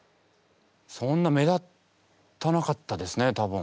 そんな目立たなかったですね多分。